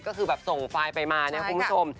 ก็คือแบบส่งไฟล์ไปมาเนี่ยคุณผู้ชม